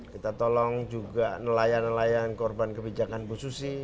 kita tolong juga nelayan nelayan korban kebijakan bu susi